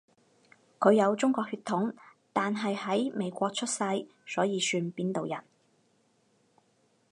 佢有中國血統，但係喺美國出世，所以算邊度人？